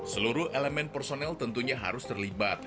seluruh elemen personel tentunya harus terlibat